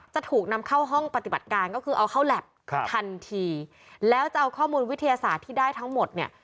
จะถูกนำเข้าห้องปฏิบัติการก็คือเอาเข้าแล็บทันทีแล้วจะเอาข้อมูลวิทยาศาสตร์ที่ได้ทั้งหมดเนี่ย